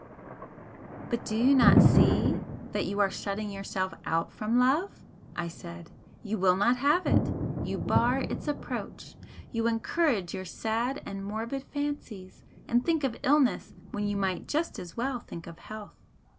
"But do you not see that you are shutting yourself out from love?" I said "You will not have it! You bar its approach. You encourage your sad and morbid fancies, and think of illness when you might just as well think of health.